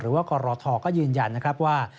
หรือว่ากรทก็ยืนยันนะครับว่า